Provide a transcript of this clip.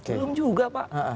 belum juga pak